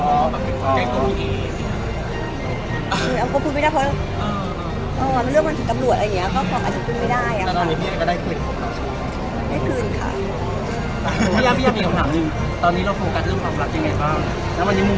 มันคือว่าปลอดภัยพี่เอ๋พูดเองเรื่องเนี้ย